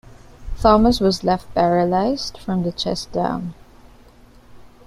Thomas was left paralyzed from the chest down.